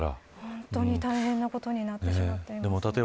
本当に大変なことになってしまっています。